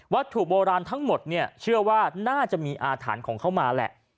วัตถุโบราณทั้งหมดเชื่อว่าน่าจะมีอาฐานของเขามาแหละ